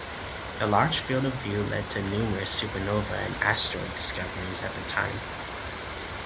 The large field-of-view led to numerous supernova and asteroid discoveries at the time.